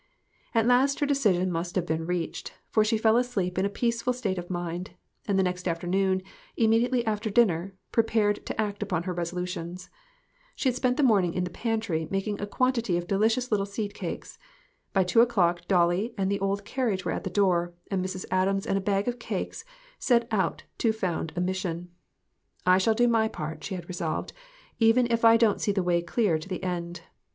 At last her decision must have been reached, for she fell asleep in a peaceful state of mind, and the next afternoon, immediately after dinner, pre pared to act upon her resolutions. She had spent the morning in the pantry making a quantity of delicious little seed cakes. By two o'clock Dolly and the old carriage were at the door, and Mrs. Adams and a bag of cakes set out to found a mission. "I shall do my part," she had resolved, "even if I don't see the way clear to the end.